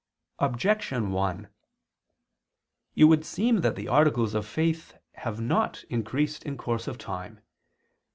Objection 1: It would seem that the articles of faith have not increased in course of time.